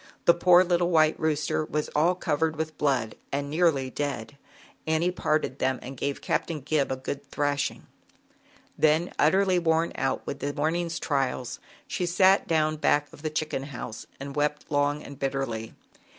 The poor little white rooster was all covered with blood ai nearly dead. Annie parted them am gave Captain Gib a good thrashing. 80 ZAUBERLINDA, THE WISE WITCH. Then, utterly worn mornin out with the trials, she sat down back of the chicken house and wept long and bitterly.